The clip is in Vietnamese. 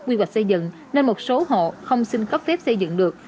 quy hoạch xây dựng nên một số hộ không xin cấp phép xây dựng được